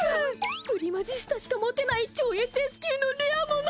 プリマジスタしか持てない超ＳＳ級のレアもの！